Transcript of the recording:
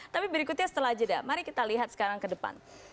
tapi berikutnya setelah jeda mari kita lihat sekarang ke depan